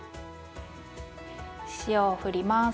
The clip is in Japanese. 塩をふります。